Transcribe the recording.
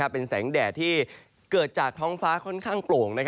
เป็นแสงแดดที่เกิดจากท้องฟ้าค่อนข้างโปร่ง